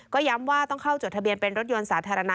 ก็ย้ำว่าต้องเข้าจดทะเบียนเป็นรถยนต์สาธารณะ